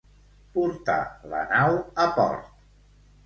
Portar la nau a port.